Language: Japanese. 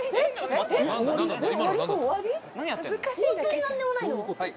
ホントに何でもないの？